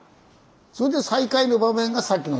それで再会の場面がさっきの。